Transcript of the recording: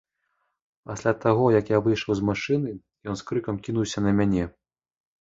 Пасля таго, як я выйшаў з машыны, ён з крыкам кінуўся на мяне.